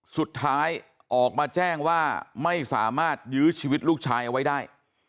สุดท้ายออกมาแจ้งว่าไม่สามารถยื้อชีวิตลูกชายเอาไว้ได้